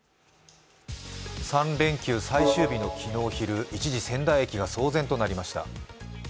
３連休最終日の昨日昼、一時、仙台駅が騒然となりました。